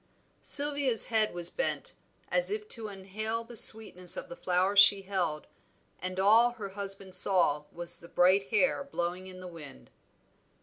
Sylvia's head was bent as if to inhale the sweetness of the flower she held, and all her husband saw was the bright hair blowing in the wind.